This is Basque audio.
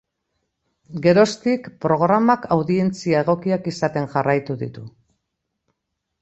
Geroztik, programak audientzia egokiak izaten jarraitu ditu.